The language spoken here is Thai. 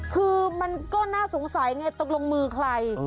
คือมันก็น่าสงสัยไงตกลงมือใคร